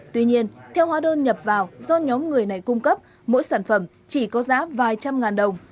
tuy nhiên theo hóa đơn nhập vào do nhóm người này cung cấp mỗi sản phẩm chỉ có giá vài trăm ngàn đồng